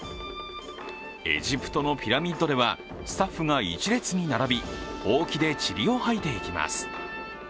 エジプトのピラミッドではスタッフが１列に並びほうきでちりを掃いていきます。